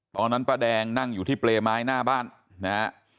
ป้าแดงนั่งอยู่ที่เปรย์ไม้หน้าบ้านนะฮะ